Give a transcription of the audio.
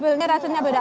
filternya rasanya beda